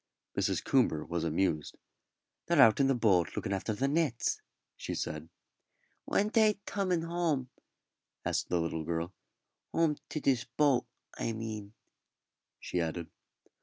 Mrs. Coomber was amused. "They're out in the boat looking after the nets," she said. "When they toming home?" asked the little girl; "home to dis boat, I mean," she added.